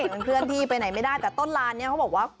มันเคลื่อนที่ไปไหนไม่ได้แต่ต้นลานเนี่ยเขาบอกว่า